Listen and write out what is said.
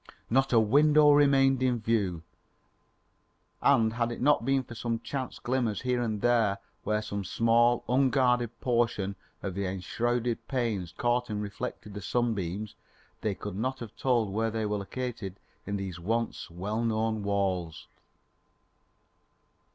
Not a window remained in view, and had it not been for some chance glimmers here and there where some small, unguarded portion of the enshrouded panes caught and reflected the sunbeams, they could not have told where they were located in these once well known walls.